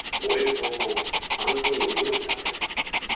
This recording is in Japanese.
闘魂アントニオ猪木さんです。